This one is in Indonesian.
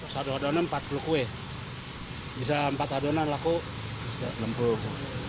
satu adonan empat puluh kue bisa empat adonan laku bisa lempuh